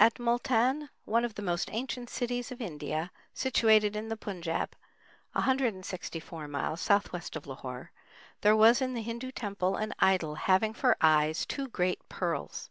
At Multan, one of the most ancient cities of India, situated in the Punjab, 164 miles southwest of Lahore, there was in the Hindu temple an idol having for eyes two great pearls.